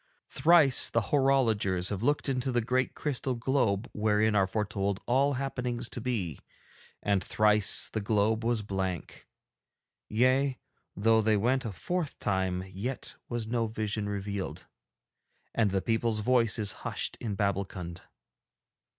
Thrice the horologers have looked into the great crystal globe wherein are foretold all happenings to be, and thrice the globe was blank. Yea, though they went a fourth time yet was no vision revealed; and the people's voice is hushed in Babbulkund.'